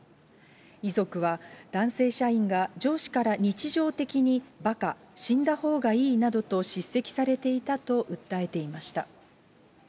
遺族は、男性社員が上司から日常的にばか、死んだほうがいいなどと叱責されていたと訴えていました。